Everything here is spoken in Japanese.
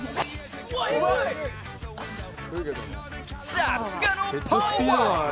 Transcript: さすがのパワー！